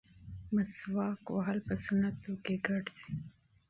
مسواک وهل په سنتو کې شامل دي.